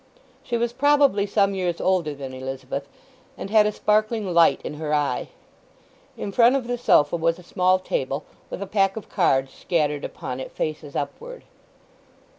She was probably some years older than Elizabeth, and had a sparkling light in her eye. In front of the sofa was a small table, with a pack of cards scattered upon it faces upward.